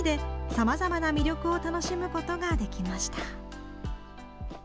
さまざまな魅力を楽しむことができました。